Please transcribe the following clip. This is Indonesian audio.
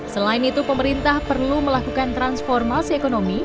selain itu pemerintah perlu melakukan transformasi ekonomi